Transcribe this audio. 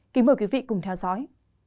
kính mời quý vị cùng theo dõi